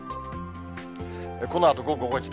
このあと午後５時。